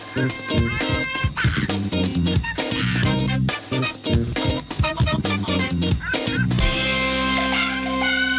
โปรดติดตามตอนต่อไป